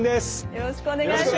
よろしくお願いします。